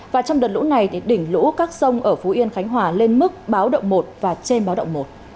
và trong đợt lũ này đỉnh lũ các sông ở phú yên khánh hòa lên mức báo động một và trên báo động một